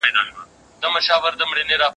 یوه ورځ ورسره کېږي حسابونه